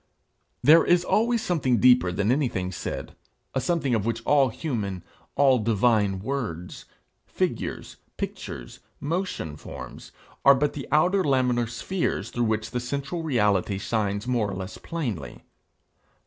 There is always something deeper than anything said something of which all human, all divine words, figures, pictures, motion forms, are but the outer laminar spheres through which the central reality shines more or less plainly.